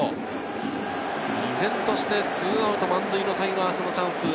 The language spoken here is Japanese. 依然として２アウト満塁のタイガース、チャンスです。